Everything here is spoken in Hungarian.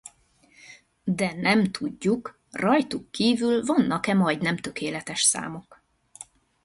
De nem tudjuk, rajtuk kívül vannak-e majdnem tökéletes számok.